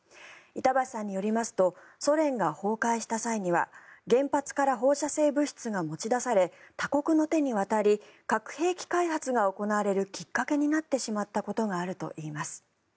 板橋さんによりますとソ連が崩壊した際には原発から放射性物質が持ち出され他国の手にわたり核兵器開発が行われるきっかけになってしまったことがあるといいます。